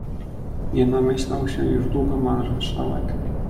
"Nie namyślał się już długo marszałek."